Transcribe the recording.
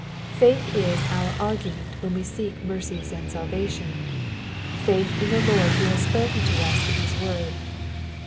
Faith is our argument when we seek mercies and salvation ; faith in the Lord who has spoken to us in his word.